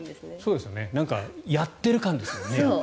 やっている感ですよね。